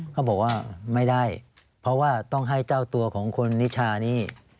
เขาบอกว่าไม่ได้เพราะว่าต้องให้เจ้าตัวของคุณนิชานี่